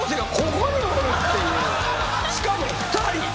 しかも２人。